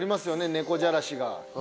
猫じゃらしが。